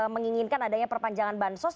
menginginkan adanya perpanjangan bansos